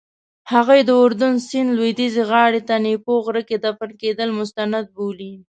هغوی د اردن سیند لویدیځې غاړې ته نیپو غره کې دفن کېدل مستند بولي.